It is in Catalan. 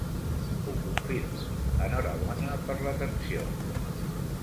Ho confirmo, enhorabona per l'atenció.